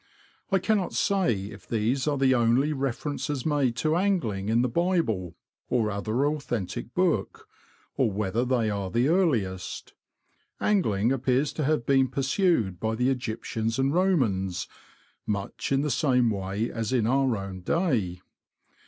I cannot say if these are the only references made to angling in the Bible, or other authentic book, or whether they are the earhest. Angling appears to have been pursued by the Egyptians and Romans, much in the same way as in our own day.